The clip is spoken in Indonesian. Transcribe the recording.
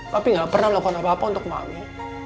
papi nggak pernah melakukan apa apa untuk mami